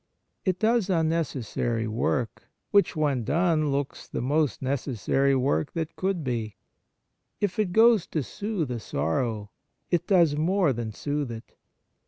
It does unneces sary work, which when done looks the most necessary work that could be. If it goes to soothe a sorrow, it does more than soothe it.